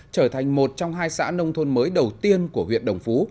trở thành một trong hai xã nông thôn mới đầu tiên của huyện đồng phú